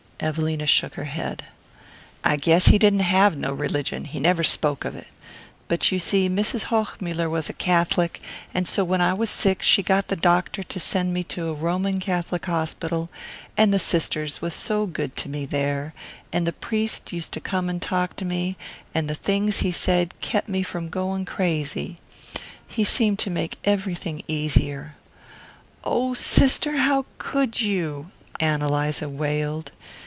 Evelina shook her head. "I guess he didn't have no religion; he never spoke of it. But you see Mrs. Hochmuller was a Catholic, and so when I was sick she got the doctor to send me to a Roman Catholic hospital, and the sisters was so good to me there and the priest used to come and talk to me; and the things he said kep' me from going crazy. He seemed to make everything easier." "Oh, sister, how could you?" Ann Eliza wailed.